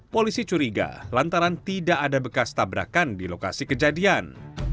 polisi curiga lantaran tidak ada bekas tabrakan di lokasi kejadian